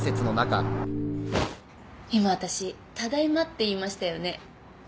今私「ただいま」って言いましたよね。